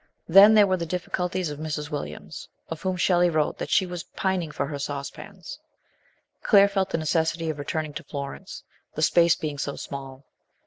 Then there were the difficulties of Mrs. Williams, of \vhom Shelley wrote 11 162 MRS. SHELLEY. that she was pining for her saucepans. Claire felt the necessity of returning to Florence, the space being so small.